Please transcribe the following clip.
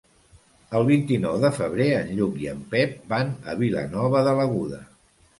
El vint-i-nou de febrer en Lluc i en Pep van a Vilanova de l'Aguda.